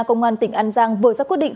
công an tỉnh an giang vừa ra quyết định